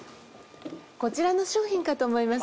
こちらの商品かと思います。